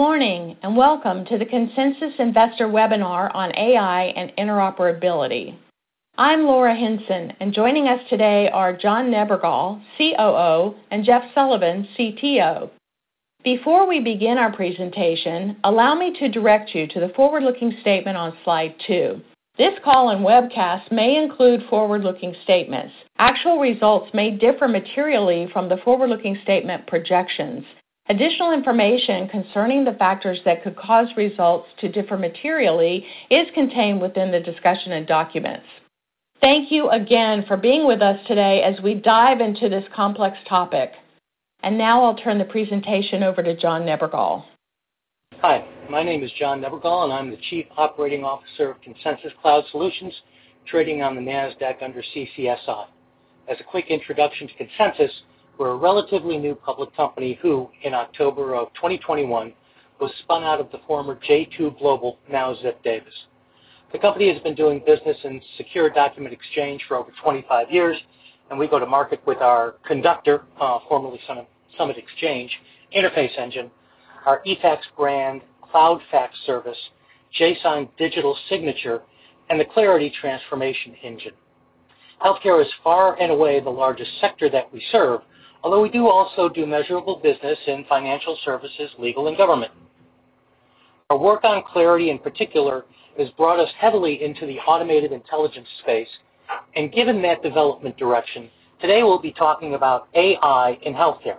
Good morning, and welcome to the Consensus Investor Webinar on AI and Interoperability. I'm Laura Hinson, and joining us today are John Nebergall, COO, and Jeff Sullivan, CTO. Before we begin our presentation, allow me to direct you to the forward-looking statement on slide two. This call and webcast may include forward-looking statements. Actual results may differ materially from the forward-looking statement projections. Additional information concerning the factors that could cause results to differ materially is contained within the discussion and documents. Thank you again for being with us today as we dive into this complex topic. Now I'll turn the presentation over to John Nebergall. Hi, my name is John Nebergall, and I'm the Chief Operating Officer of Consensus Cloud Solutions, trading on the Nasdaq under CCSI. As a quick introduction to Consensus, we're a relatively new public company who, in October of 2021, was spun out of the former J2 Global, now Ziff Davis. The company has been doing business in secure document exchange for over 25 years, and we go to market with our Conductor, formerly Summit Exchange Interface Engine, our eFax brand, Cloud Fax Service, jSign digital signature, and the Clarity Transformation Engine. Healthcare is far and away the largest sector that we serve, although we do also do measurable business in financial services, legal, and government. Our work on Clarity, in particular, has brought us heavily into the automated intelligence space, and given that development direction, today we'll be talking about AI in healthcare.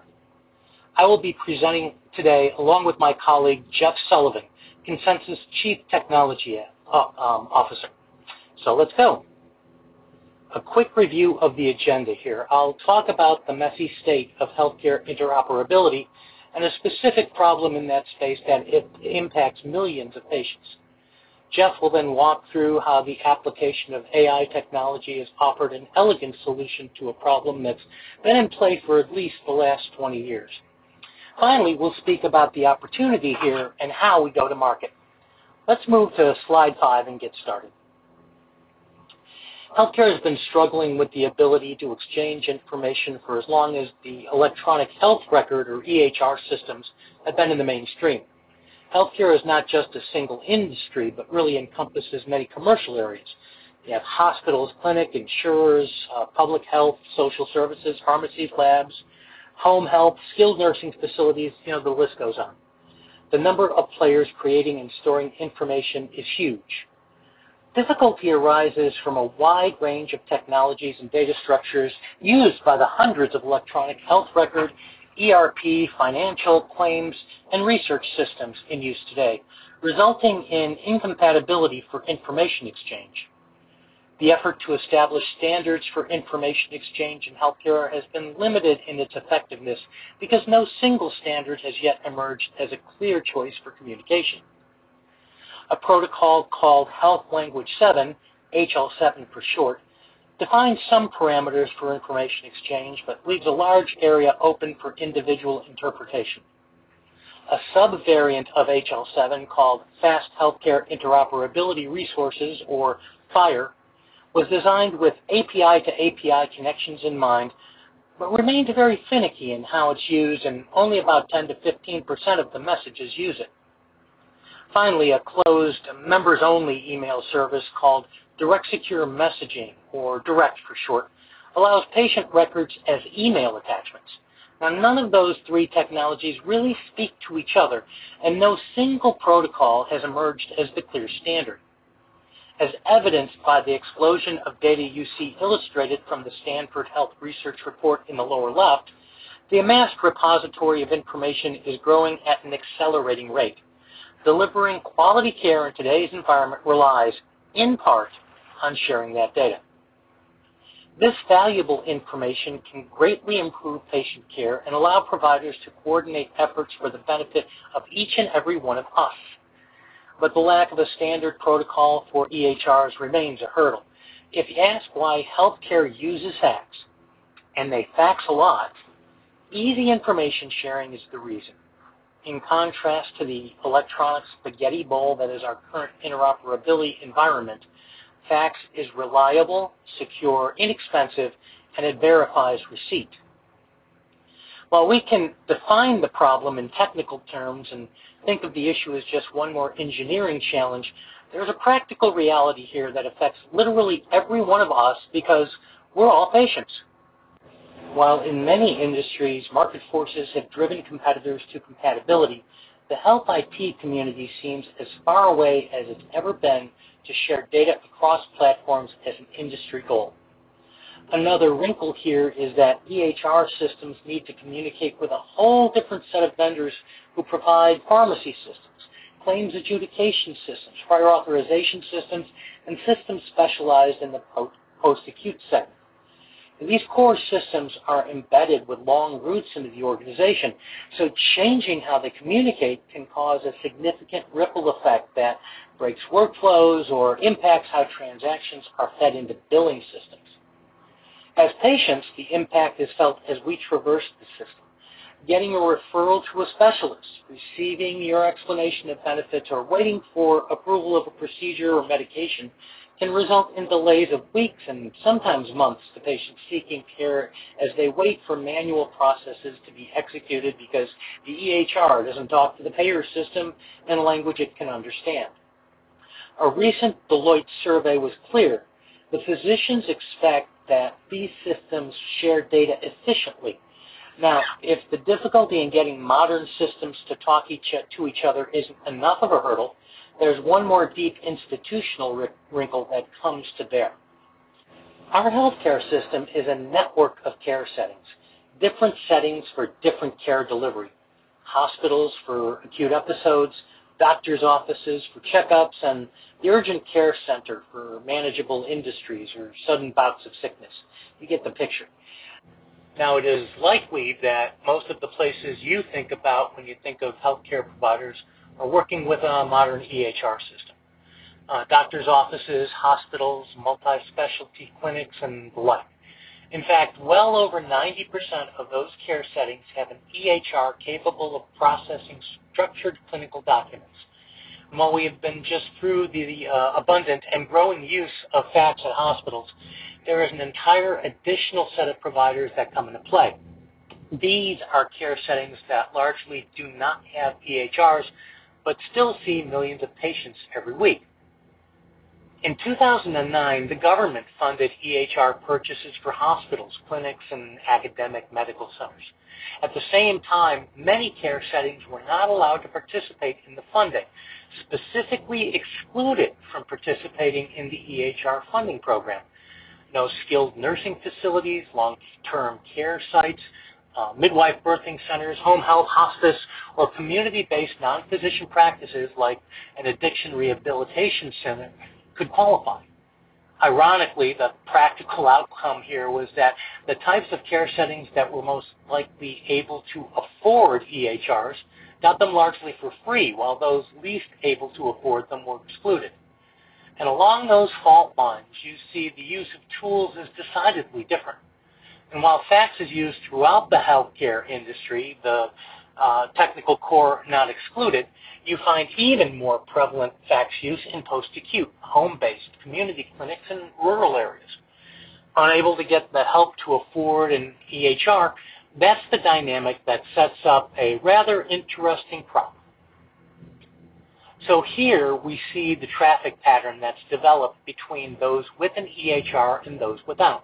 I will be presenting today, along with my colleague, Jeff Sullivan, Consensus Chief Technology Officer. Let's go. A quick review of the agenda here. I'll talk about the messy state of healthcare interoperability and a specific problem in that space that it impacts millions of patients. Jeff will then walk through how the application of AI technology has offered an elegant solution to a problem that's been in play for at least the last 20 years. Finally, we'll speak about the opportunity here and how we go to market. Let's move to slide five and get started. Healthcare has been struggling with the ability to exchange information for as long as the electronic health record, or EHR systems, have been in the mainstream. Healthcare is not just a single industry, but really encompasses many commercial areas. You have hospitals, clinics, insurers, public health, social services, pharmacies, labs, home health, skilled nursing facilities, you know, the list goes on. The number of players creating and storing information is huge. Difficulty arises from a wide range of technologies and data structures used by the hundreds of electronic health record, ERP, financial, claims, and research systems in use today, resulting in incompatibility for information exchange. The effort to establish standards for information exchange in healthcare has been limited in its effectiveness because no single standard has yet emerged as a clear choice for communication. A protocol called Health Level Seven, HL7 for short, defines some parameters for information exchange, but leaves a large area open for individual interpretation. A subvariant of HL7, called Fast Healthcare Interoperability Resources, or FHIR, was designed with API-to-API connections in mind, but remained very finicky in how it's used, and only about 10%-15% of the messages use it. Finally, a closed, members-only email service called Direct Secure Messaging, or Direct for short, allows patient records as email attachments. Now, none of those three technologies really speak to each other, and no single protocol has emerged as the clear standard. As evidenced by the explosion of data you see illustrated from the Stanford Health Research Report in the lower left, the amassed repository of information is growing at an accelerating rate. Delivering quality care in today's environment relies, in part, on sharing that data. This valuable information can greatly improve patient care and allow providers to coordinate efforts for the benefit of each and every one of us. But the lack of a standard protocol for EHRs remains a hurdle. If you ask why healthcare uses fax, and they fax a lot, easy information sharing is the reason. In contrast to the electronic spaghetti bowl that is our current interoperability environment, fax is reliable, secure, inexpensive, and it verifies receipt. While we can define the problem in technical terms and think of the issue as just one more engineering challenge, there's a practical reality here that affects literally every one of us because we're all patients. While in many industries, market forces have driven competitors to compatibility, the health IT community seems as far away as it's ever been to share data across platforms as an industry goal. Another wrinkle here is that EHR systems need to communicate with a whole different set of vendors who provide pharmacy systems, claims adjudication systems, prior authorization systems, and systems specialized in the post, post-acute setting. These core systems are embedded with long roots into the organization, so changing how they communicate can cause a significant ripple effect that breaks workflows or impacts how transactions are fed into billing systems. As patients, the impact is felt as we traverse the system. Getting a referral to a specialist, receiving your explanation of benefits, or waiting for approval of a procedure or medication can result in delays of weeks and sometimes months to patients seeking care as they wait for manual processes to be executed because the EHR doesn't talk to the payer system in a language it can understand. A recent Deloitte survey was clear: the physicians expect that these systems share data efficiently. Now, if the difficulty in getting modern systems to talk each, to each other isn't enough of a hurdle, there's one more deep institutional wrinkle that comes to bear. Our healthcare system is a network of care settings, different settings for different care delivery: hospitals for acute episodes, doctor's offices for checkups, and the urgent care center for manageable industries or sudden bouts of sickness. You get the picture. Now, it is likely that most of the places you think about when you think of healthcare providers are working with a modern EHR system, doctor's offices, hospitals, multi-specialty clinics, and the like. In fact, well over 90% of those care settings have an EHR capable of processing structured clinical documents. While we have been just through the abundant and growing use of fax at hospitals, there is an entire additional set of providers that come into play. These are care settings that largely do not have EHRs, but still see millions of patients every week. In 2009, the government funded EHR purchases for hospitals, clinics, and academic medical centers. At the/ same time, many care settings were not allowed to participate in the funding, specifically excluded from participating in the EHR funding program. No skilled nursing facilities, long-term care sites, midwife birthing centers, home health, hospice, or community-based non-physician practices, like an addiction rehabilitation center, could qualify. Ironically, the practical outcome here was that the types of care settings that were most likely able to afford EHRs got them largely for free, while those least able to afford them were excluded. Along those fault lines, you see the use of tools is decidedly different. While fax is used throughout the healthcare industry, the technical core not excluded, you find even more prevalent fax use in post-acute, home-based community clinics and rural areas. Unable to get the help to afford an EHR, that's the dynamic that sets up a rather interesting problem. Here we see the traffic pattern that's developed between those with an EHR and those without.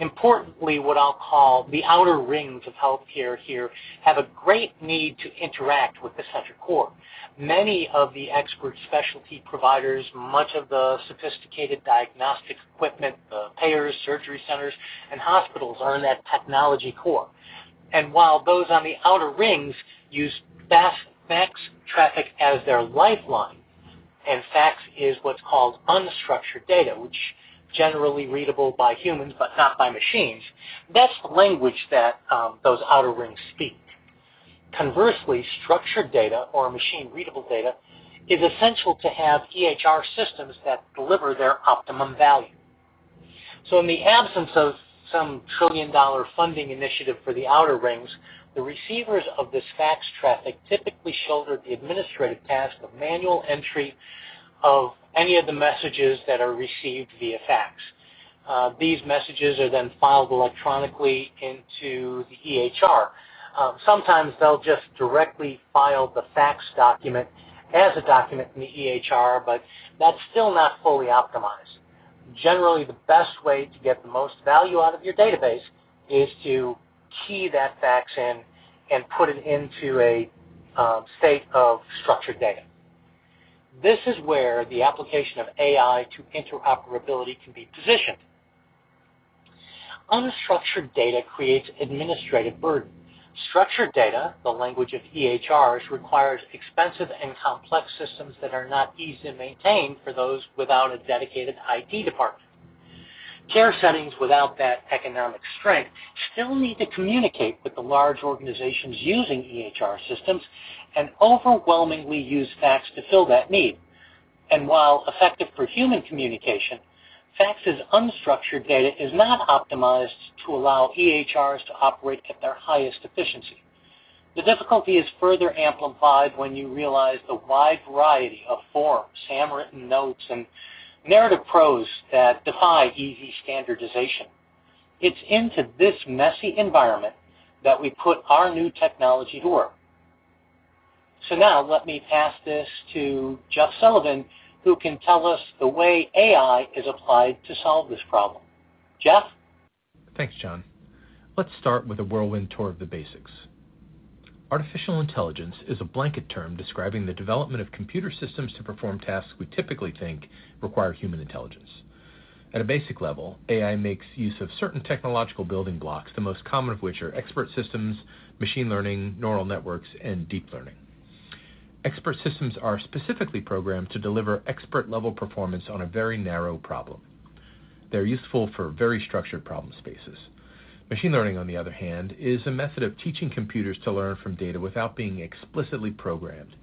Importantly, what I'll call the outer rings of healthcare here have a great need to interact with the central core. Many of the expert specialty providers, much of the sophisticated diagnostics equipment, the payers, surgery centers, and hospitals are in that technology core. While those on the outer rings use fax traffic as their lifeline, and fax is what's called unstructured data, which is generally readable by humans but not by machines, that's the language that those outer rings speak. Conversely, structured data, or machine-readable data, is essential to have EHR systems that deliver their optimum value. In the absence of some trillion-dollar funding initiative for the outer rings, the receivers of this fax traffic typically shoulder the administrative task of manual entry of any of the messages that are received via fax. These messages are then filed electronically into the EHR. Sometimes they'll just directly file the fax document as a document in the EHR, but that's still not fully optimized. Generally, the best way to get the most value out of your database is to key that fax in and put it into a state of structured data. This is where the application of AI to interoperability can be positioned. Unstructured data creates administrative burden. Structured data, the language of EHRs, requires expensive and complex systems that are not easy to maintain for those without a dedicated IT department. Care settings without that economic strength still need to communicate with the large organizations using EHR systems, and overwhelmingly use fax to fill that need. And while effective for human communication, fax's unstructured data is not optimized to allow EHRs to operate at their highest efficiency. The difficulty is further amplified when you realize the wide variety of forms, handwritten notes, and narrative prose that defy easy standardization. It's into this messy environment that we put our new technology to work. So now let me pass this to Jeff Sullivan, who can tell us the way AI is applied to solve this problem. Jeff? Thanks, John. Let's start with a whirlwind tour of the basics. Artificial Intelligence is a blanket term describing the development of computer systems to perform tasks we typically think require human intelligence. At a basic level, AI makes use of certain technological building blocks, the most common of which are Expert Systems, Machine Learning, Neural Networks, and Deep Learning. Expert Systems are specifically programmed to deliver expert-level performance on a very narrow problem. They're useful for very structured problem spaces. Machine Learning, on the other hand, is a method of teaching computers to learn from data without being explicitly programmed.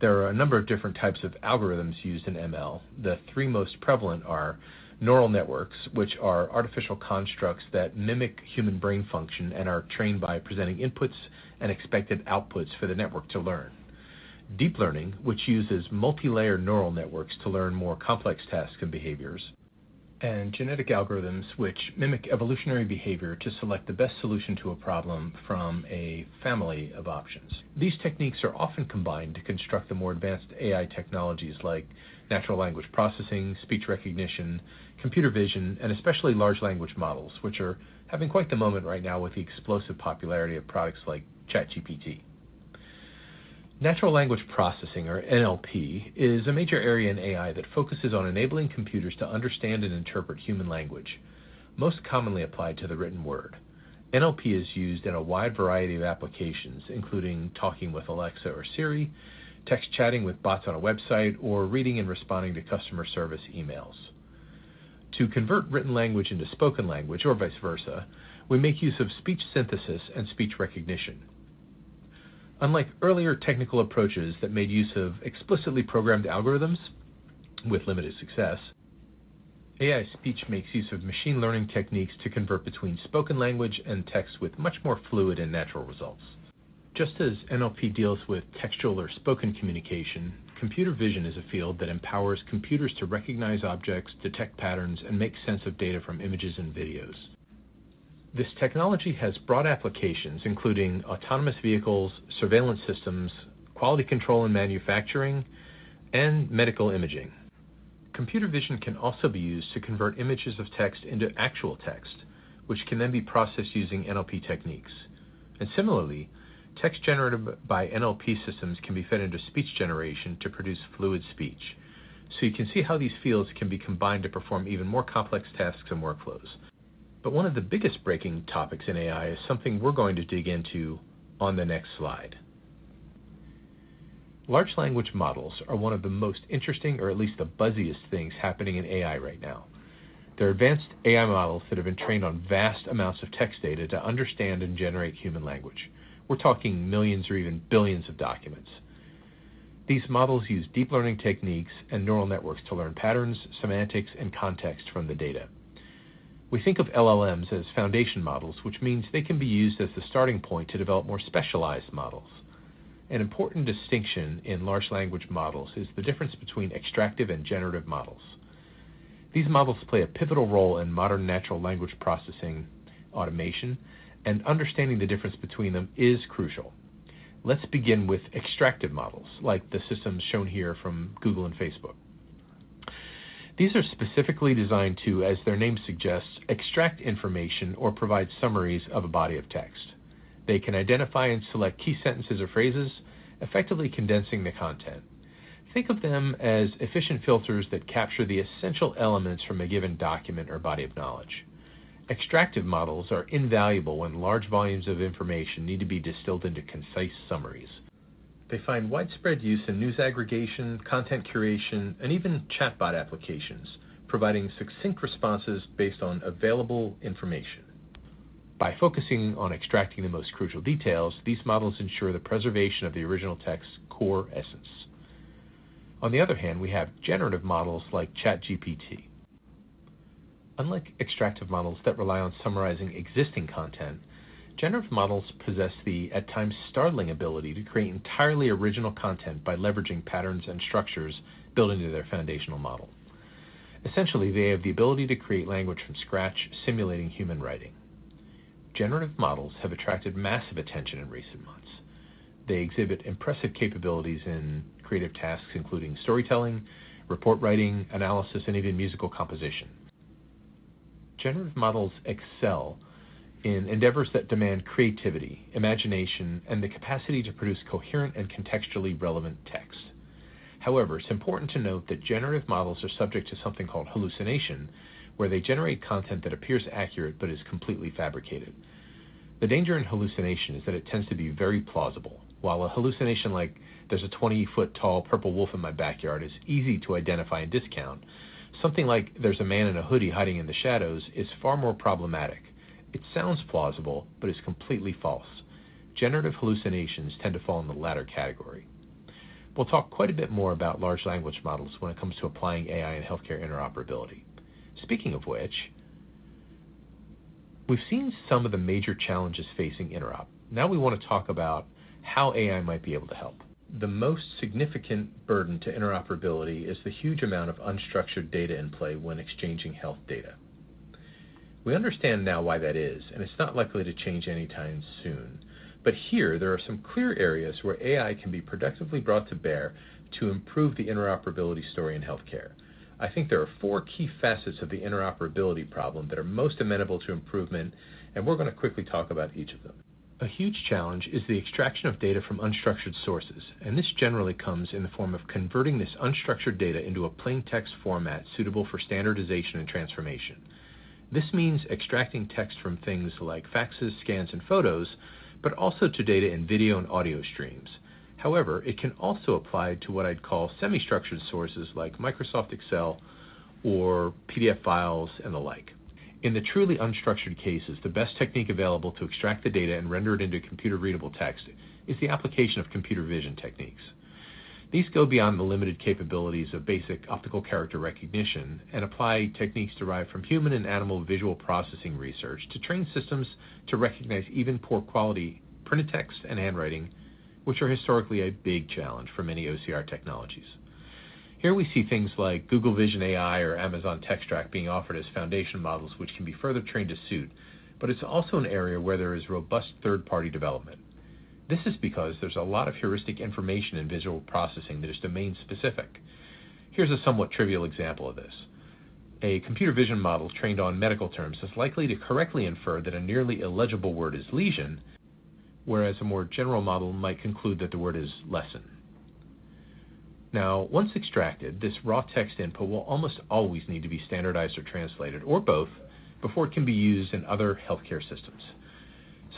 There are a number of different types of algorithms used in ML. The three most prevalent are Neural Networks, which are artificial constructs that mimic human brain function and are trained by presenting inputs and expected outputs for the network to learn. Deep learning, which uses multi-layer neural networks to learn more complex tasks and behaviors... and genetic algorithms, which mimic evolutionary behavior to select the best solution to a problem from a family of options. These techniques are often combined to construct the more advanced AI technologies like natural language processing, speech recognition, computer vision, and especially large language models, which are having quite the moment right now with the explosive popularity of products like ChatGPT. Natural language processing, or NLP, is a major area in AI that focuses on enabling computers to understand and interpret human language, most commonly applied to the written word. NLP is used in a wide variety of applications, including talking with Alexa or Siri, text chatting with bots on a website, or reading and responding to customer service emails. To convert written language into spoken language, or vice versa, we make use of speech synthesis and speech recognition. Unlike earlier technical approaches that made use of explicitly programmed algorithms with limited success, AI speech makes use of machine learning techniques to convert between spoken language and text with much more fluid and natural results. Just as NLP deals with textual or spoken communication, computer vision is a field that empowers computers to recognize objects, detect patterns, and make sense of data from images and videos. This technology has broad applications, including autonomous vehicles, surveillance systems, quality control and manufacturing, and medical imaging. Computer vision can also be used to convert images of text into actual text, which can then be processed using NLP techniques. Similarly, text generated by NLP systems can be fed into speech generation to produce fluid speech. You can see how these fields can be combined to perform even more complex tasks and workflows. But one of the biggest breaking topics in AI is something we're going to dig into on the next slide. Large language models are one of the most interesting, or at least the buzziest, things happening in AI right now. They're advanced AI models that have been trained on vast amounts of text data to understand and generate human language. We're talking millions or even billions of documents. These models use deep learning techniques and neural networks to learn patterns, semantics, and context from the data. We think of LLMs as foundation models, which means they can be used as the starting point to develop more specialized models. An important distinction in large language models is the difference between extractive and generative models. These models play a pivotal role in modern natural language processing, automation, and understanding the difference between them is crucial. Let's begin with extractive models, like the systems shown here from Google and Facebook. These are specifically designed to, as their name suggests, extract information or provide summaries of a body of text. They can identify and select key sentences or phrases, effectively condensing the content. Think of them as efficient filters that capture the essential elements from a given document or body of knowledge. Extractive models are invaluable when large volumes of information need to be distilled into concise summaries. They find widespread use in news aggregation, content curation, and even chatbot applications, providing succinct responses based on available information. By focusing on extracting the most crucial details, these models ensure the preservation of the original text's core essence. On the other hand, we have generative models like ChatGPT. Unlike extractive models that rely on summarizing existing content, generative models possess the, at times, startling ability to create entirely original content by leveraging patterns and structures built into their foundational model. Essentially, they have the ability to create language from scratch, simulating human writing. Generative models have attracted massive attention in recent months. They exhibit impressive capabilities in creative tasks, including storytelling, report writing, analysis, and even musical composition. Generative models excel in endeavors that demand creativity, imagination, and the capacity to produce coherent and contextually relevant text. However, it's important to note that generative models are subject to something called hallucination, where they generate content that appears accurate but is completely fabricated. The danger in hallucination is that it tends to be very plausible. While a hallucination like, "There's a 20-foot-tall purple wolf in my backyard," is easy to identify and discount, something like, "There's a man in a hoodie hiding in the shadows," is far more problematic. It sounds plausible, but it's completely false. Generative hallucinations tend to fall in the latter category. We'll talk quite a bit more about large language models when it comes to applying AI in healthcare interoperability. Speaking of which, we've seen some of the major challenges facing interop. Now, we want to talk about how AI might be able to help. The most significant burden to interoperability is the huge amount of unstructured data in play when exchanging health data. We understand now why that is, and it's not likely to change anytime soon. But here, there are some clear areas where AI can be productively brought to bear to improve the interoperability story in healthcare. I think there are four key facets of the interoperability problem that are most amenable to improvement, and we're going to quickly talk about each of them. A huge challenge is the extraction of data from unstructured sources, and this generally comes in the form of converting this unstructured data into a plain text format suitable for standardization and transformation. This means extracting text from things like faxes, scans, and photos, but also to data in video and audio streams. However, it can also apply to what I'd call semi-structured sources like Microsoft Excel or PDF files, and the like. In the truly unstructured cases, the best technique available to extract the data and render it into computer-readable text is the application of computer vision techniques. These go beyond the limited capabilities of basic optical character recognition and apply techniques derived from human and animal visual processing research to train systems to recognize even poor quality printed text and handwriting, which are historically a big challenge for many OCR technologies. Here we see things like Google Vision AI or Amazon Textract being offered as foundation models, which can be further trained to suit, but it's also an area where there is robust third-party development. This is because there's a lot of heuristic information in visual processing that is domain-specific. Here's a somewhat trivial example of this: a computer vision model trained on medical terms is likely to correctly infer that a nearly illegible word is lesion, whereas a more general model might conclude that the word is lesson. Now, once extracted, this raw text input will almost always need to be standardized or translated, or both, before it can be used in other healthcare systems.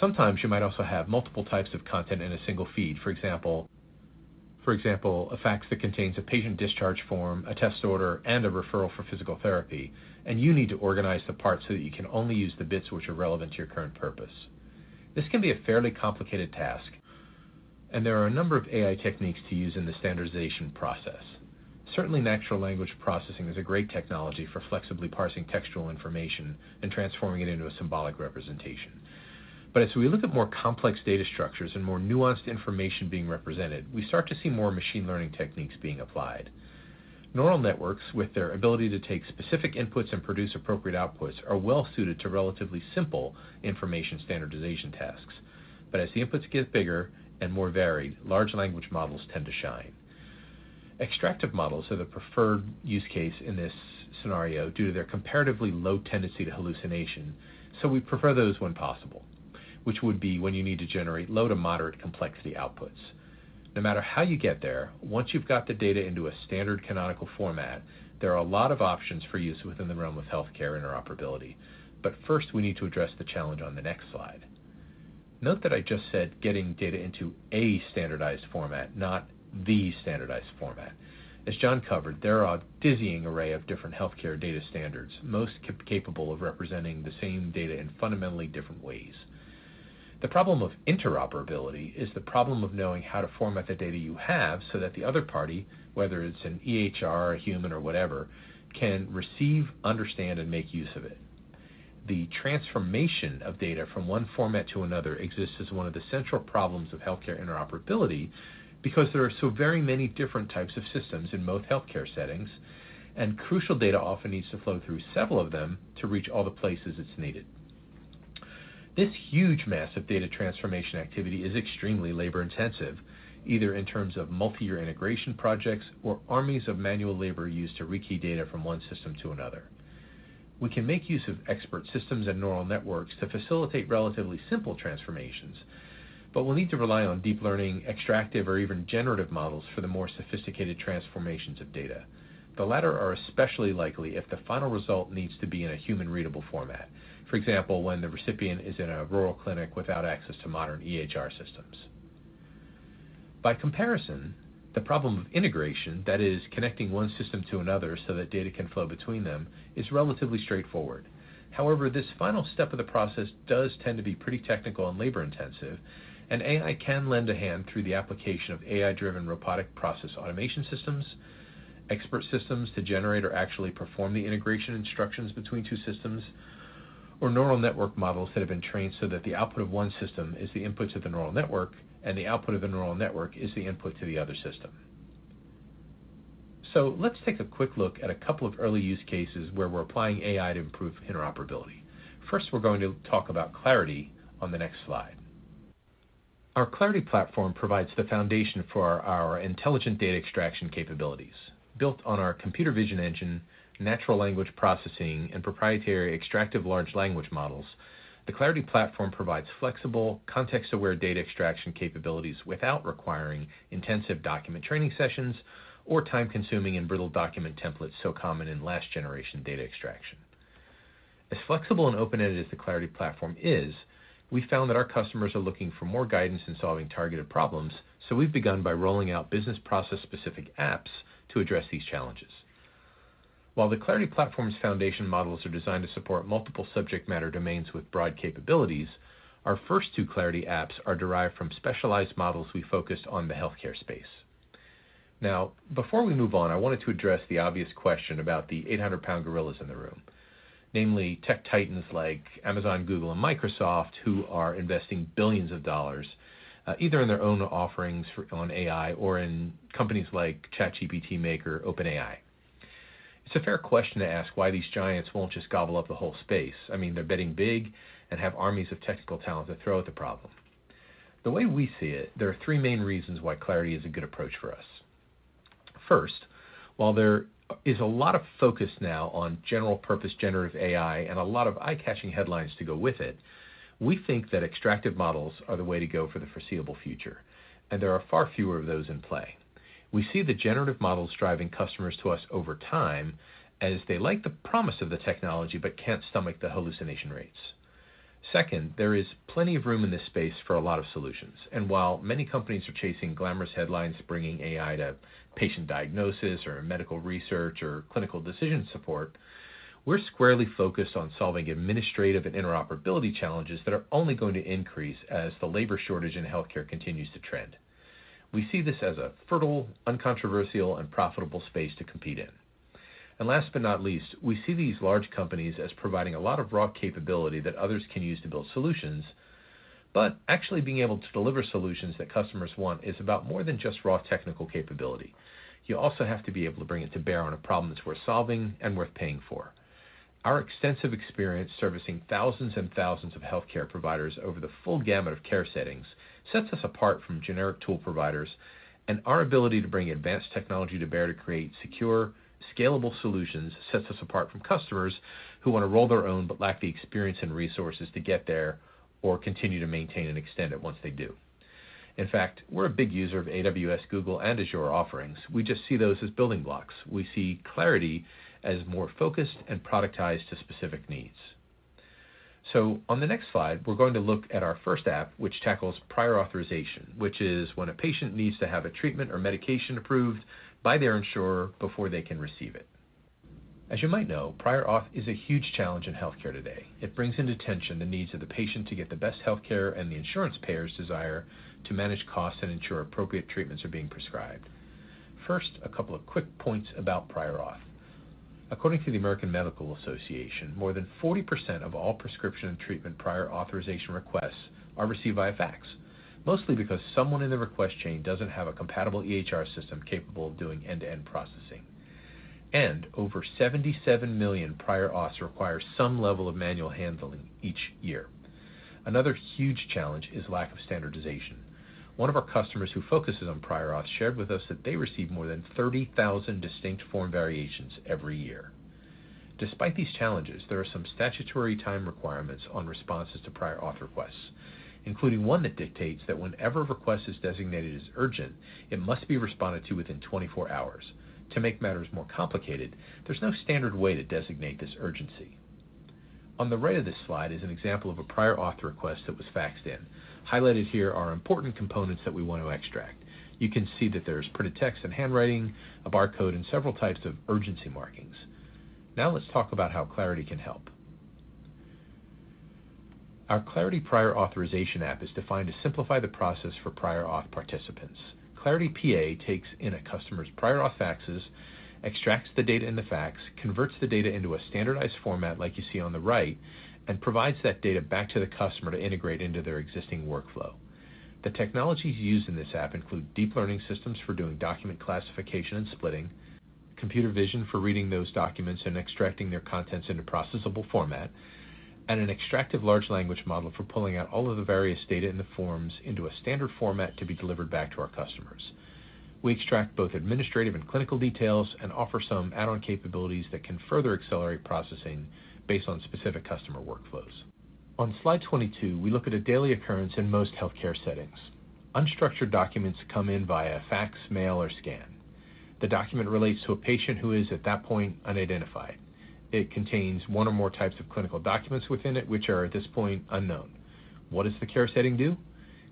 Sometimes you might also have multiple types of content in a single feed. For example, a fax that contains a patient discharge form, a test order, and a referral for physical therapy, and you need to organize the parts so that you can only use the bits which are relevant to your current purpose. This can be a fairly complicated task, and there are a number of AI techniques to use in the standardization process. Certainly, natural language processing is a great technology for flexibly parsing textual information and transforming it into a symbolic representation. But as we look at more complex data structures and more nuanced information being represented, we start to see more machine learning techniques being applied. Neural networks, with their ability to take specific inputs and produce appropriate outputs, are well suited to relatively simple information standardization tasks. But as the inputs get bigger and more varied, large language models tend to shine. Extractive models are the preferred use case in this scenario due to their comparatively low tendency to hallucination, so we prefer those when possible, which would be when you need to generate low to moderate complexity outputs. No matter how you get there, once you've got the data into a standard canonical format, there are a lot of options for use within the realm of healthcare interoperability. But first, we need to address the challenge on the next slide. Note that I just said getting data into a standardized format, not the standardized format. As John covered, there are a dizzying array of different healthcare data standards, most capable of representing the same data in fundamentally different ways. The problem of interoperability is the problem of knowing how to format the data you have so that the other party, whether it's an EHR, a human, or whatever, can receive, understand, and make use of it. The transformation of data from one format to another exists as one of the central problems of healthcare interoperability, because there are so very many different types of systems in most healthcare settings, and crucial data often needs to flow through several of them to reach all the places it's needed. This huge mass of data transformation activity is extremely labor-intensive, either in terms of multi-year integration projects or armies of manual labor used to rekey data from one system to another. We can make use of expert systems and neural networks to facilitate relatively simple transformations, but we'll need to rely on deep learning, extractive, or even generative models for the more sophisticated transformations of data. The latter are especially likely if the final result needs to be in a human-readable format. For example, when the recipient is in a rural clinic without access to modern EHR systems. By comparison, the problem of integration, that is, connecting one system to another so that data can flow between them, is relatively straightforward. However, this final step of the process does tend to be pretty technical and labor-intensive, and AI can lend a hand through the application of AI-driven robotic process automation systems, expert systems to generate or actually perform the integration instructions between two systems, or neural network models that have been trained so that the output of one system is the inputs of the neural network, and the output of the neural network is the input to the other system. Let's take a quick look at a couple of early use cases where we're applying AI to improve interoperability. First, we're going to talk about Clarity on the next slide. Our Clarity platform provides the foundation for our intelligent data extraction capabilities. Built on our computer vision engine, natural language processing, and proprietary extractive large language models, the clarity platform provides flexible, context-aware data extraction capabilities without requiring intensive document training sessions or time-consuming and brittle document templates so common in last-generation data extraction. As flexible and open-ended as the Clarity platform is, we found that our customers are looking for more guidance in solving targeted problems, so we've begun by rolling out business process-specific apps to address these challenges. While the Clarity platform's foundation models are designed to support multiple subject matter domains with broad capabilities, our first two Clarity apps are derived from specialized models we focused on the healthcare space. Now, before we move on, I wanted to address the obvious question about the 800-pound gorillas in the room. Namely, tech titans like Amazon, Google, and Microsoft, who are investing billions of dollars either in their own offerings on AI or in companies like ChatGPT maker, OpenAI. It's a fair question to ask why these giants won't just gobble up the whole space. I mean, they're betting big and have armies of technical talent to throw at the problem. The way we see it, there are three main reasons why Clarity is a good approach for us. First, while there is a lot of focus now on general-purpose generative AI and a lot of eye-catching headlines to go with it, we think that extractive models are the way to go for the foreseeable future, and there are far fewer of those in play. We see the generative models driving customers to us over time, as they like the promise of the technology but can't stomach the hallucination rates. Second, there is plenty of room in this space for a lot of solutions. And while many companies are chasing glamorous headlines, bringing AI to patient diagnosis, or medical research, or clinical decision support, we're squarely focused on solving administrative and interoperability challenges that are only going to increase as the labor shortage in healthcare continues to trend. We see this as a fertile, uncontroversial, and profitable space to compete in…. And last but not least, we see these large companies as providing a lot of raw capability that others can use to build solutions. But actually being able to deliver solutions that customers want is about more than just raw technical capability. You also have to be able to bring it to bear on a problem that's worth solving and worth paying for. Our extensive experience servicing thousands and thousands of healthcare providers over the full gamut of care settings, sets us apart from generic tool providers, and our ability to bring advanced technology to bear to create secure, scalable solutions sets us apart from customers who want to roll their own, but lack the experience and resources to get there or continue to maintain and extend it once they do. In fact, we're a big user of AWS, Google, and Azure offerings. We just see those as building blocks. We see Clarity as more focused and productized to specific needs. So on the next slide, we're going to look at our first app, which tackles prior authorization, which is when a patient needs to have a treatment or medication approved by their insurer before they can receive it. As you might know, prior auth is a huge challenge in healthcare today. It brings into tension the needs of the patient to get the best healthcare, and the insurance payers' desire to manage costs and ensure appropriate treatments are being prescribed. First, a couple of quick points about prior auth. According to the American Medical Association, more than 40% of all prescription and treatment prior authorization requests are received via fax, mostly because someone in the request chain doesn't have a compatible EHR system capable of doing end-to-end processing. And over 77 million prior auths require some level of manual handling each year. Another huge challenge is lack of standardization. One of our customers who focuses on prior auth shared with us that they receive more than 30,000 distinct form variations every year. Despite these challenges, there are some statutory time requirements on responses to prior auth requests, including one that dictates that whenever a request is designated as urgent, it must be responded to within 24 hours. To make matters more complicated, there's no standard way to designate this urgency. On the right of this slide is an example of a prior auth request that was faxed in. Highlighted here are important components that we want to extract. You can see that there's printed text and handwriting, a barcode, and several types of urgency markings. Now, let's talk about how Clarity can help. Our Clarity Prior Authorization app is defined to simplify the process for prior auth participants. Clarity PA takes in a customer's prior auth faxes, extracts the data in the fax, converts the data into a standardized format, like you see on the right, and provides that data back to the customer to integrate into their existing workflow. The technologies used in this app include deep learning systems for doing document classification and splitting, computer vision for reading those documents and extracting their contents into processable format, and an extractive large language model for pulling out all of the various data in the forms into a standard format to be delivered back to our customers. We extract both administrative and clinical details and offer some add-on capabilities that can further accelerate processing based on specific customer workflows. On slide 22, we look at a daily occurrence in most healthcare settings. Unstructured documents come in via fax, mail, or scan. The document relates to a patient who is at that point, unidentified. It contains one or more types of clinical documents within it, which are, at this point, unknown. What does the care setting do?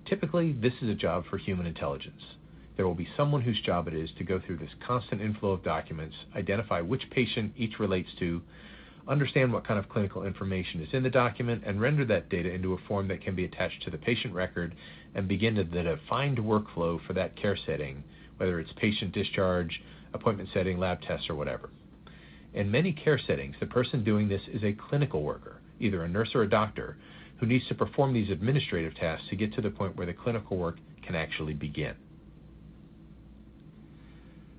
Typically, this is a job for human intelligence. There will be someone whose job it is to go through this constant inflow of documents, identify which patient each relates to, understand what kind of clinical information is in the document, and render that data into a form that can be attached to the patient record, and begin the defined workflow for that care setting, whether it's patient discharge, appointment setting, lab tests, or whatever. In many care settings, the person doing this is a clinical worker, either a nurse or a doctor, who needs to perform these administrative tasks to get to the point where the clinical work can actually begin.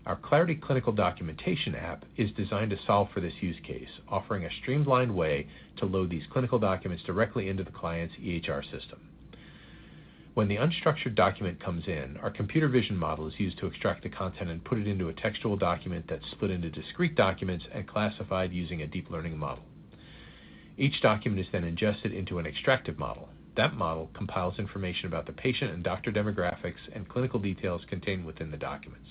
Our Clarity Clinical Documentation app is designed to solve for this use case, offering a streamlined way to load these clinical documents directly into the client's EHR system. When the unstructured document comes in, our computer vision model is used to extract the content and put it into a textual document that's split into discrete documents and classified using a deep learning model. Each document is then ingested into an extractive model. That model compiles information about the patient and doctor demographics and clinical details contained within the documents.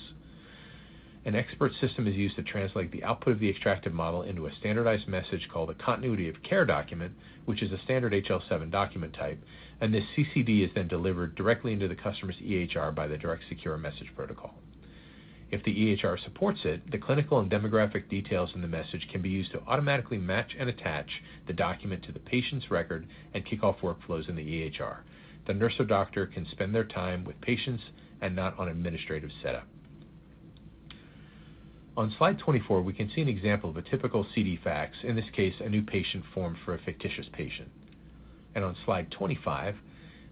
An expert system is used to translate the output of the extractive model into a standardized message called a Continuity of Care Document, which is a standard HL7 document type, and this CCD is then delivered directly into the customer's EHR by the Direct Secure Messaging protocol. If the EHR supports it, the clinical and demographic details in the message can be used to automatically match and attach the document to the patient's record and kick off workflows in the EHR. The nurse or doctor can spend their time with patients and not on administrative setup. On slide 24, we can see an example of a typical CD fax, in this case, a new patient form for a fictitious patient. On slide 25,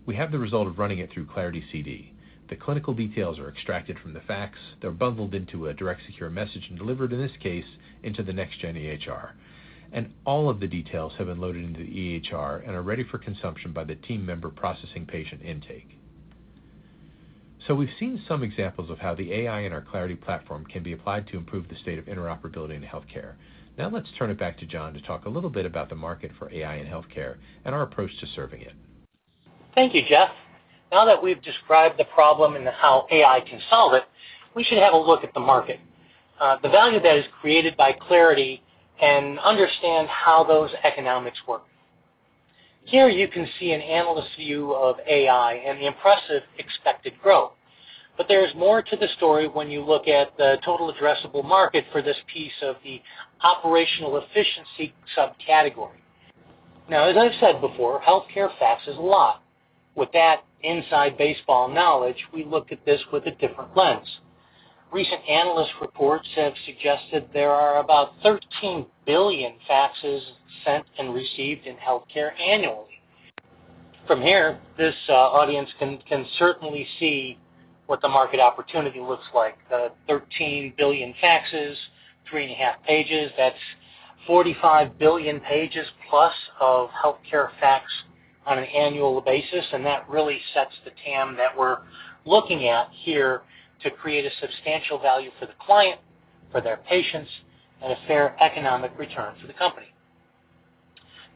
we have the result of running it through Clarity CD. The clinical details are extracted from the fax. They're bundled into a direct secure message and delivered, in this case, into the NextGen EHR. All of the details have been loaded into the EHR and are ready for consumption by the team member processing patient intake. So we've seen some examples of how the AI in our Clarity platform can be applied to improve the state of interoperability in healthcare. Now, let's turn it back to John to talk a little bit about the market for AI in healthcare and our approach to serving it. Thank you, Jeff. Now that we've described the problem and how AI can solve it, we should have a look at the market. The value that is created by Clarity and understand how those economics work. Here you can see an analyst's view of AI and the impressive expected growth. But there is more to the story when you look at the total addressable market for this piece of the operational efficiency subcategory.... Now, as I've said before, healthcare faxes a lot. With that inside baseball knowledge, we look at this with a different lens. Recent analyst reports have suggested there are about 13 billion faxes sent and received in healthcare annually. From here, this audience can certainly see what the market opportunity looks like. 13 billion faxes, 3.5 pages, that's 45 billion pages plus of healthcare faxes on an annual basis, and that really sets the TAM that we're looking at here to create a substantial value for the client, for their patients, and a fair economic return for the company.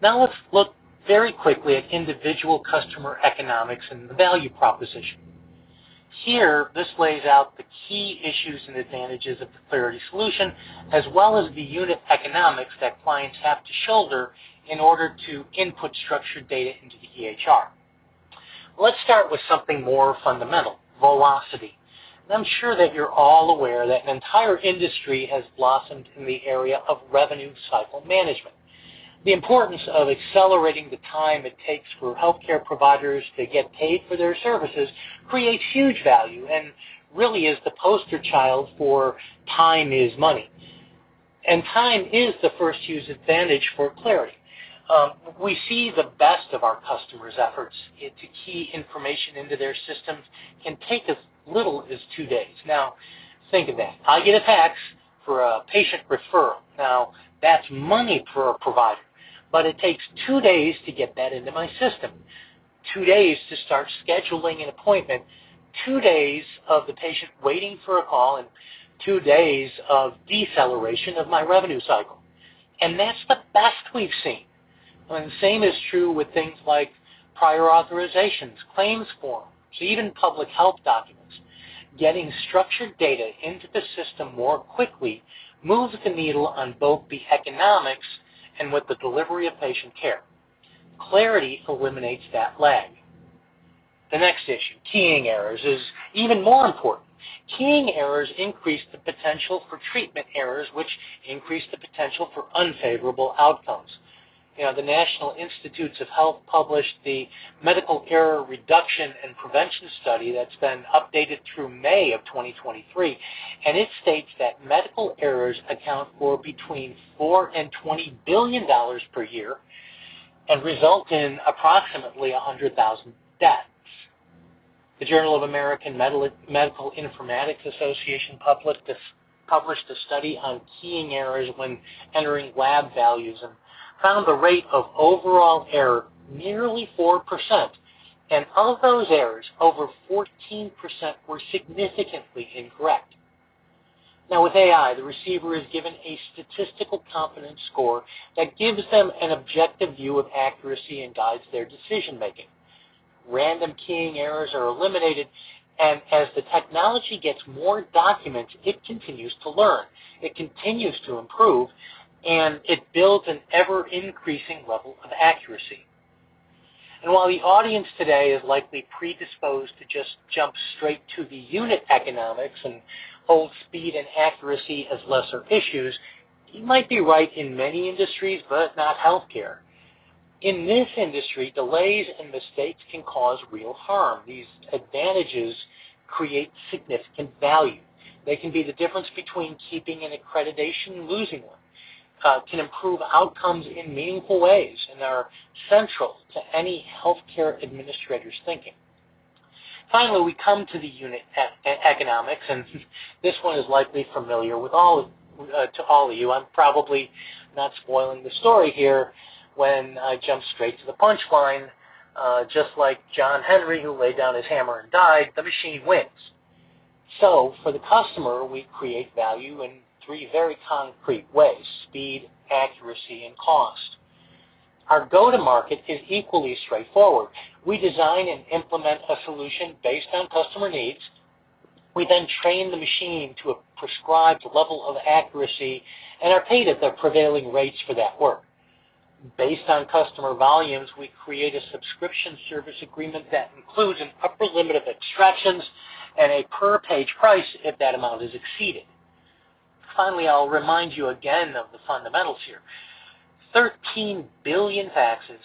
Now, let's look very quickly at individual customer economics and the value proposition. Here, this lays out the key issues and advantages of the Clarity solution, as well as the unit economics that clients have to shoulder in order to input structured data into the EHR. Let's start with something more fundamental, velocity. I'm sure that you're all aware that an entire industry has blossomed in the area of revenue cycle management. The importance of accelerating the time it takes for healthcare providers to get paid for their services creates huge value and really is the poster child for time is money. Time is the first use advantage for Clarity. We see the best of our customers' efforts into key information into their systems can take as little as 2 days. Now, think of that. I get a fax for a patient referral. Now, that's money for a provider, but it takes 2 days to get that into my system, 2 days to start scheduling an appointment, 2 days of the patient waiting for a call, and 2 days of deceleration of my revenue cycle, and that's the best we've seen. The same is true with things like prior authorizations, claims forms, even public health documents. Getting structured data into the system more quickly moves the needle on both the economics and with the delivery of patient care. Clarity eliminates that lag. The next issue, keying errors, is even more important. Keying errors increase the potential for treatment errors, which increase the potential for unfavorable outcomes. You know, the National Institutes of Health published the Medical Error Reduction and Prevention Study that's been updated through May of 2023, and it states that medical errors account for between $4 billion and $20 billion per year and result in approximately 100,000 deaths. The Journal of American Medical Informatics Association published a study on keying errors when entering lab values and found the rate of overall error nearly 4%, and of those errors, over 14% were significantly incorrect. Now, with AI, the receiver is given a statistical confidence score that gives them an objective view of accuracy and guides their decision-making. Random keying errors are eliminated, and as the technology gets more documents, it continues to learn, it continues to improve, and it builds an ever-increasing level of accuracy. While the audience today is likely predisposed to just jump straight to the unit economics and hold speed and accuracy as lesser issues, you might be right in many industries, but not healthcare. In this industry, delays and mistakes can cause real harm. These advantages create significant value. They can be the difference between keeping an accreditation and losing one, can improve outcomes in meaningful ways and are central to any healthcare administrator's thinking. Finally, we come to the unit economics, and this one is likely familiar with all, to all of you. I'm probably not spoiling the story here when I jump straight to the punchline. Just like John Henry, who laid down his hammer and died, the machine wins. So for the customer, we create value in three very concrete ways: speed, accuracy, and cost. Our go-to-market is equally straightforward. We design and implement a solution based on customer needs. We then train the machine to a prescribed level of accuracy and are paid at their prevailing rates for that work. Based on customer volumes, we create a subscription service agreement that includes an upper limit of extractions and a per-page price if that amount is exceeded. Finally, I'll remind you again of the fundamentals here. 13 billion faxes,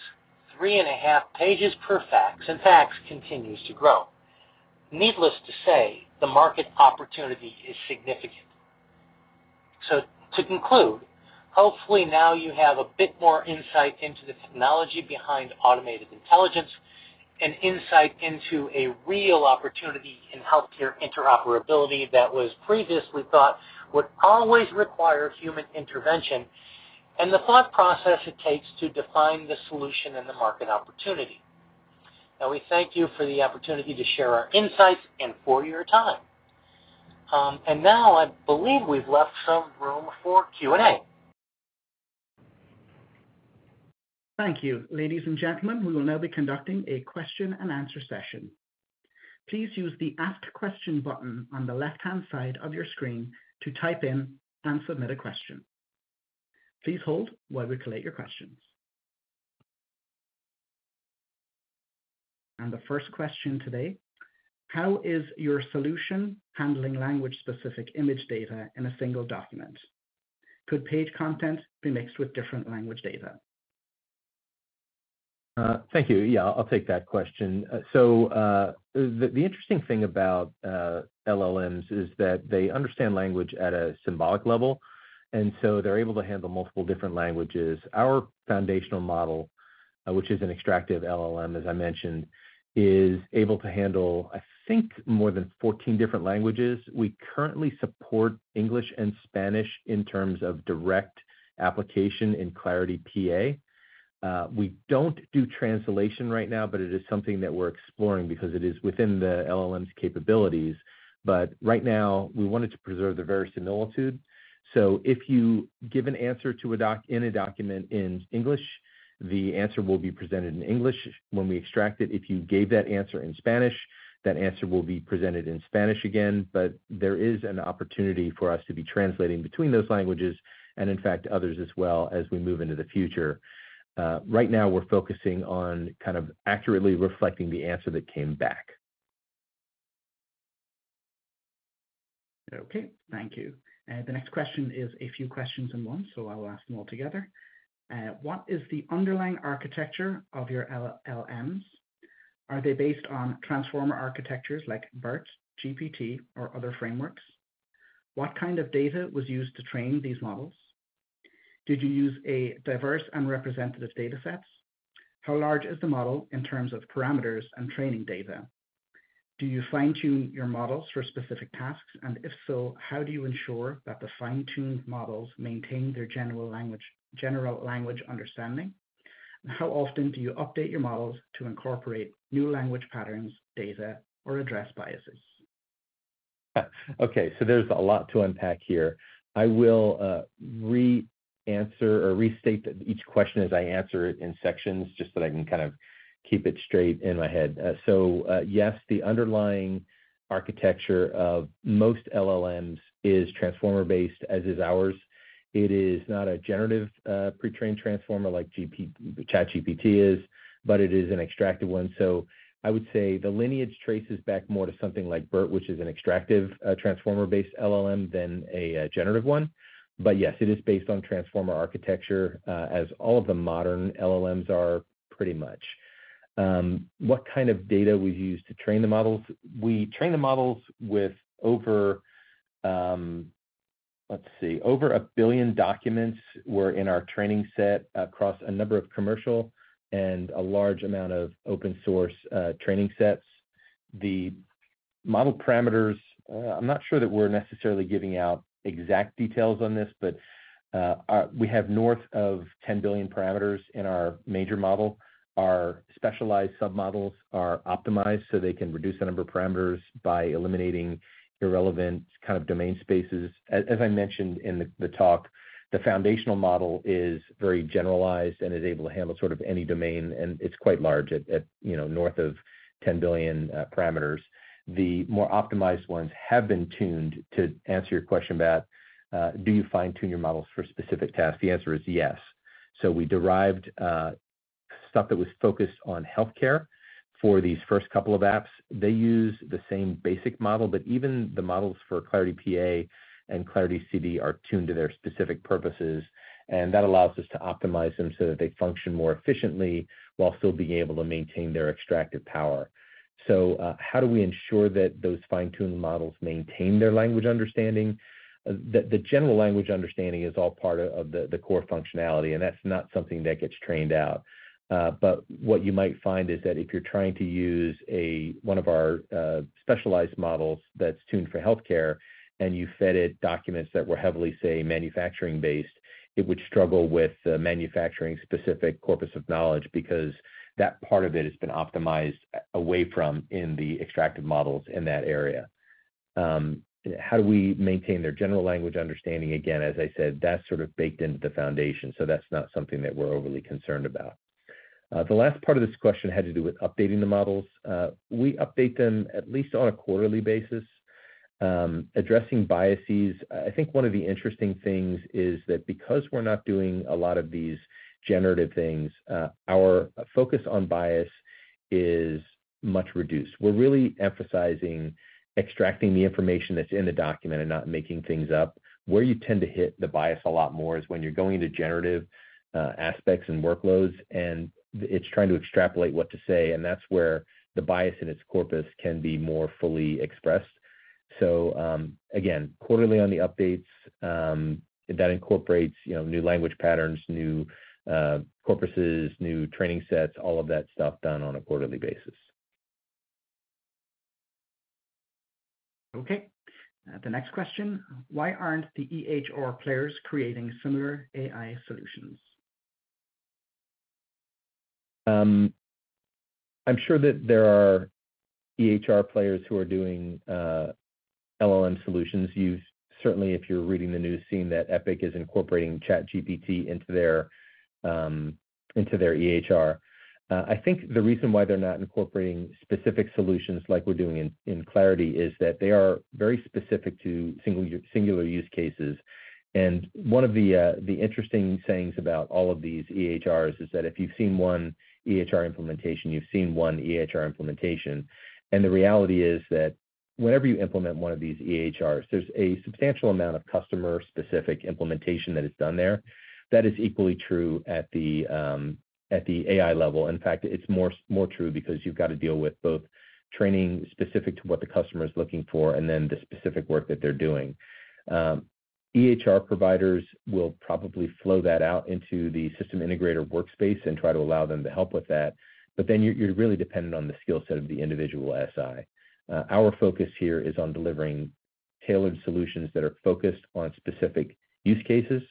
3.5 pages per fax, and fax continues to grow. Needless to say, the market opportunity is significant. So to conclude, hopefully, now you have a bit more insight into the technology behind automated intelligence and insight into a real opportunity in healthcare interoperability that was previously thought would always require human intervention, and the thought process it takes to define the solution and the market opportunity. We thank you for the opportunity to share our insights and for your time. Now I believe we've left some room for Q&A. Thank you. Ladies and gentlemen, we will now be conducting a question and answer session. Please use the Ask Question button on the left-hand side of your screen to type in and submit a question. Please hold while we collate your questions... The first question today: How is your solution handling language-specific image data in a single document? Could page content be mixed with different language data? Thank you. Yeah, I'll take that question. So, the interesting thing about LLMs is that they understand language at a symbolic level, and so they're able to handle multiple different languages. Our foundational model, which is an extractive LLM, as I mentioned, is able to handle, I think, more than 14 different languages. We currently support English and Spanish in terms of direct application in Clarity PA. We don't do translation right now, but it is something that we're exploring because it is within the LLM's capabilities. But right now, we wanted to preserve the verisimilitude. So if you give an answer in a document in English, the answer will be presented in English. When we extract it, if you gave that answer in Spanish, that answer will be presented in Spanish again. But there is an opportunity for us to be translating between those languages and, in fact, others as well, as we move into the future. Right now, we're focusing on kind of accurately reflecting the answer that came back. Okay, thank you. The next question is a few questions in one, so I'll ask them all together. What is the underlying architecture of your LLMs? Are they based on transformer architectures like BERT, GPT, or other frameworks? What kind of data was used to train these models? Did you use a diverse and representative data sets? How large is the model in terms of parameters and training data? Do you fine-tune your models for specific tasks? And if so, how do you ensure that the fine-tuned models maintain their general language, general language understanding? How often do you update your models to incorporate new language patterns, data, or address biases? Okay, so there's a lot to unpack here. I will re-answer or restate each question as I answer it in sections, just so that I can kind of keep it straight in my head. So, yes, the underlying architecture of most LLMs is transformer-based, as is ours. It is not a generative pre-trained transformer like ChatGPT is, but it is an extractive one. So I would say the lineage traces back more to something like BERT, which is an extractive transformer-based LLM, than a generative one. But yes, it is based on transformer architecture, as all of the modern LLMs are pretty much. What kind of data we use to train the models? We train the models with over... Let's see, over one billion documents were in our training set across a number of commercial and a large amount of open source, training sets. The model parameters, I'm not sure that we're necessarily giving out exact details on this, but, we have north of 10 billion parameters in our major model. Our specialized submodels are optimized, so they can reduce the number of parameters by eliminating irrelevant kind of domain spaces. As, as I mentioned in the, the talk, the foundational model is very generalized and is able to handle sort of any domain, and it's quite large at, at, you know, north of 10 billion, parameters. The more optimized ones have been tuned. To answer your question back, do you fine-tune your models for specific tasks? The answer is yes. So we derived stuff that was focused on healthcare for these first couple of apps. They use the same basic model, but even the models for Clarity PA and Clarity CD are tuned to their specific purposes, and that allows us to optimize them so that they function more efficiently while still being able to maintain their extractive power. So, how do we ensure that those fine-tuned models maintain their language understanding? The general language understanding is all part of the core functionality, and that's not something that gets trained out. But what you might find is that if you're trying to use one of our specialized models that's tuned for healthcare and you fed it documents that were heavily, say, manufacturing-based, it would struggle with the manufacturing-specific corpus of knowledge because that part of it has been optimized away from in the extractive models in that area. How do we maintain their general language understanding? Again, as I said, that's sort of baked into the foundation, so that's not something that we're overly concerned about. The last part of this question had to do with updating the models. We update them at least on a quarterly basis. Addressing biases, I think one of the interesting things is that because we're not doing a lot of these generative things, our focus on bias is much reduced. We're really emphasizing extracting the information that's in the document and not making things up. Where you tend to hit the bias a lot more is when you're going into generative aspects and workloads, and it's trying to extrapolate what to say, and that's where the bias in its corpus can be more fully expressed. So, again, quarterly on the updates, that incorporates, you know, new language patterns, new, corpuses, new training sets, all of that stuff done on a quarterly basis. Okay, the next question: Why aren't the EHR players creating similar AI solutions? I'm sure that there are EHR players who are doing LLM solutions. Certainly, if you're reading the news, seeing that Epic is incorporating ChatGPT into their EHR. I think the reason why they're not incorporating specific solutions like we're doing in Clarity is that they are very specific to single, singular use cases. And one of the interesting sayings about all of these EHRs is that if you've seen one EHR implementation, you've seen one EHR implementation. And the reality is that whenever you implement one of these EHRs, there's a substantial amount of customer-specific implementation that is done there. That is equally true at the AI level. In fact, it's more true because you've got to deal with both training specific to what the customer is looking for and then the specific work that they're doing. EHR providers will probably flow that out into the system integrator workspace and try to allow them to help with that, but then you're really dependent on the skill set of the individual SI. Our focus here is on delivering tailored solutions that are focused on specific use cases,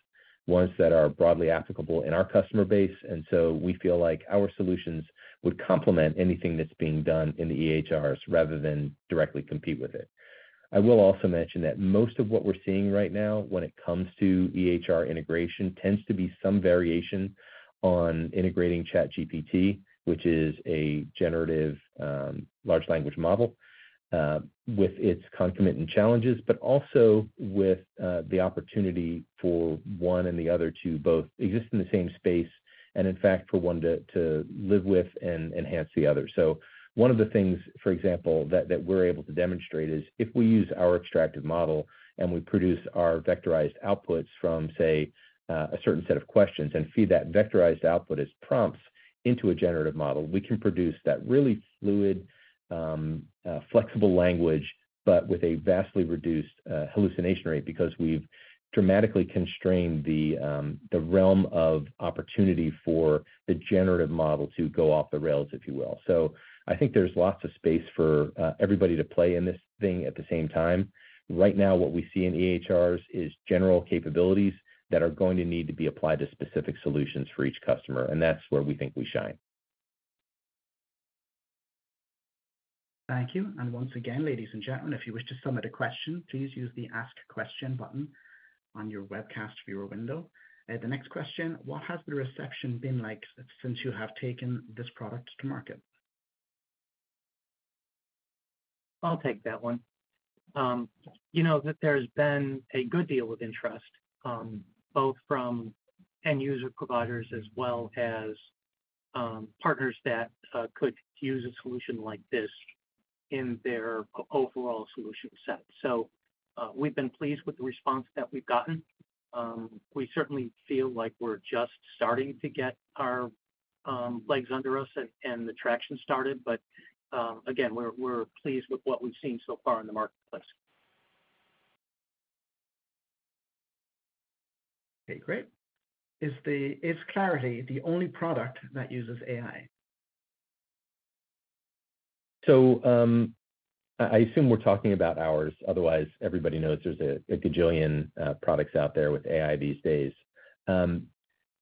ones that are broadly applicable in our customer base. And so we feel like our solutions would complement anything that's being done in the EHRs rather than directly compete with it. I will also mention that most of what we're seeing right now when it comes to EHR integration, tends to be some variation on integrating ChatGPT, which is a generative large language model, with its concomitant challenges, but also with the opportunity for one and the other to both exist in the same space and in fact, for one to live with and enhance the other. So one of the things, for example, that we're able to demonstrate is if we use our extractive model and we produce our vectorized outputs from, say, a certain set of questions and feed that vectorized output as prompts into a generative model, we can produce that really fluid, flexible language, but with a vastly reduced, hallucination rate, because we've dramatically constrained the realm of opportunity for the generative model to go off the rails, if you will. So I think there's lots of space for everybody to play in this thing at the same time. Right now, what we see in EHRs is general capabilities that are going to need to be applied to specific solutions for each customer, and that's where we think we shine. Thank you. Once again, ladies and gentlemen, if you wish to submit a question, please use the Ask Question button on your webcast viewer window. The next question: What has the reception been like since you have taken this product to market? I'll take that one. You know that there's been a good deal of interest, both from end user providers as well as, partners that could use a solution like this in their overall solution set. So, we've been pleased with the response that we've gotten. We certainly feel like we're just starting to get our legs under us and the traction started. But, again, we're pleased with what we've seen so far in the marketplace. Okay, great. Is Clarity the only product that uses AI? So, I assume we're talking about ours. Otherwise, everybody knows there's a gajillion products out there with AI these days.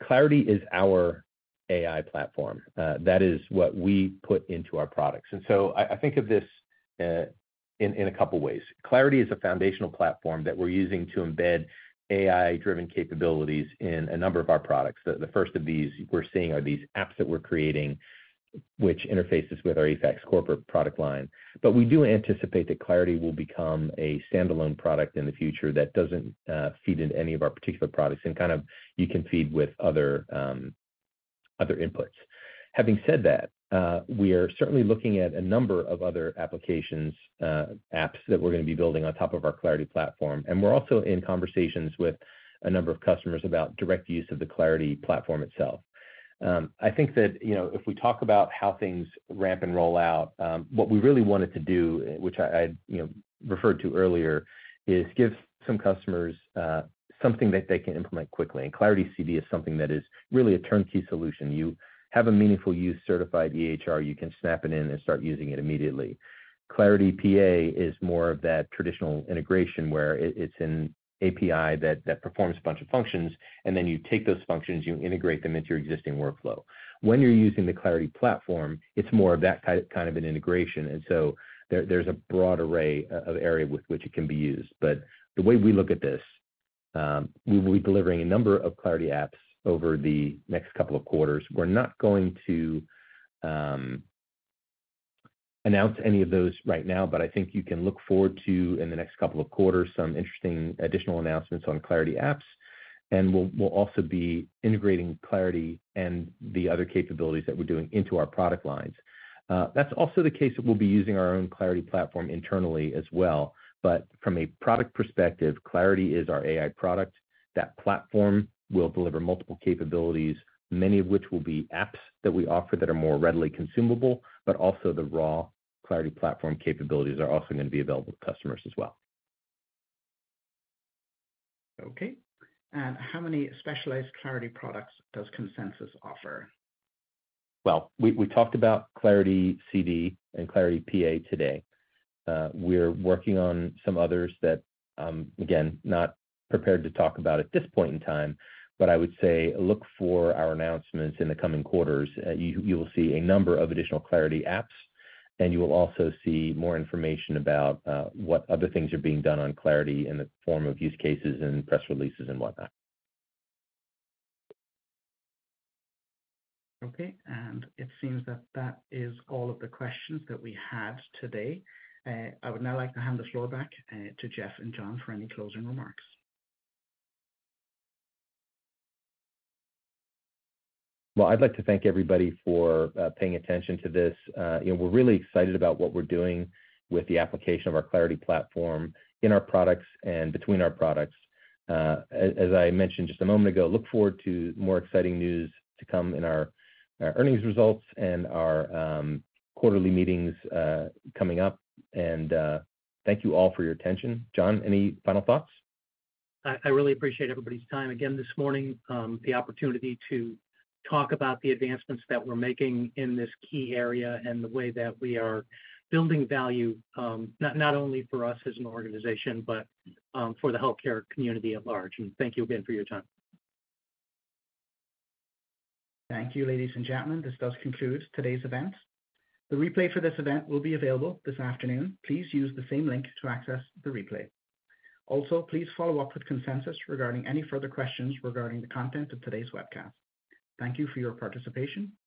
Clarity is our AI platform. That is what we put into our products. And so I think of this in a couple of ways. Clarity is a foundational platform that we're using to embed AI-driven capabilities in a number of our products. The first of these we're seeing are these apps that we're creating, which interfaces with our eFax Corporate product line. But we do anticipate that Clarity will become a standalone product in the future that doesn't feed into any of our particular products and kind of you can feed with other other inputs. Having said that, we are certainly looking at a number of other applications, apps that we're going to be building on top of our Clarity platform, and we're also in conversations with a number of customers about direct use of the Clarity platform itself. I think that, you know, if we talk about how things ramp and roll out, what we really wanted to do, which I, you know, referred to earlier, is give some customers, something that they can implement quickly. And Clarity CD is something that is really a turnkey solution. You have a meaningful use certified EHR, you can snap it in and start using it immediately. Clarity PA is more of that traditional integration, where it's an API that performs a bunch of functions, and then you take those functions, you integrate them into your existing workflow. When you're using the Clarity platform, it's more of that kind of an integration, and so there's a broad array of areas with which it can be used. But the way we look at this, we will be delivering a number of Clarity apps over the next couple of quarters. We're not going to announce any of those right now, but I think you can look forward to, in the next couple of quarters, some interesting additional announcements on Clarity apps, and we'll also be integrating Clarity and the other capabilities that we're doing into our product lines. That's also the case that we'll be using our own Clarity platform internally as well. But from a product perspective, Clarity is our AI product. That platform will deliver multiple capabilities, many of which will be apps that we offer that are more readily consumable, but also the raw Clarity platform capabilities are also going to be available to customers as well. Okay, and how many specialized Clarity products does Consensus offer? Well, we talked about Clarity CD and Clarity PA today. We're working on some others that, again, not prepared to talk about at this point in time, but I would say look for our announcements in the coming quarters. You will see a number of additional Clarity apps, and you will also see more information about what other things are being done on Clarity in the form of use cases and press releases and whatnot. Okay, and it seems that that is all of the questions that we had today. I would now like to hand the floor back to Jeff and John for any closing remarks. Well, I'd like to thank everybody for paying attention to this. You know, we're really excited about what we're doing with the application of our Clarity platform in our products and between our products. As I mentioned just a moment ago, look forward to more exciting news to come in our earnings results and our quarterly meetings coming up. And thank you all for your attention. John, any final thoughts? I really appreciate everybody's time again this morning. The opportunity to talk about the advancements that we're making in this key area and the way that we are building value, not only for us as an organization, but for the healthcare community at large. Thank you again for your time. Thank you, ladies and gentlemen. This does conclude today's event. The replay for this event will be available this afternoon. Please use the same link to access the replay. Also, please follow up with Consensus regarding any further questions regarding the content of today's webcast. Thank you for your participation. You may disconnect.